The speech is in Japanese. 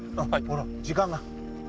ほら時間が。